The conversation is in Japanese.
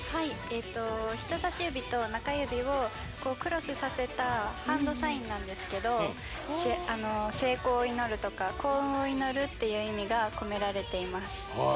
人さし指と中指をクロスさせたハンドサインなんですけど「成功を祈る」とか「幸運を祈る」とかっていう意味が込められています。